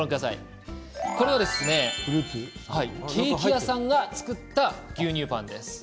こちらはケーキ屋さんが作った牛乳パンです。